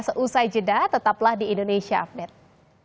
seusai jeda tetaplah di indonesia update